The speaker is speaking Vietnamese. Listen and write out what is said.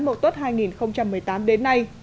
mộ tốt hai nghìn một mươi tám đến nay